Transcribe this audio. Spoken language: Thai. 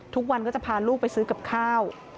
ทุกวันก็จะพาลูกไปซื้อกับข้าว